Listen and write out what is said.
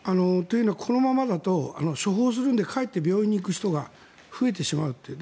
このままだと処方するのでかえって病院に行く人が増えてしまうという。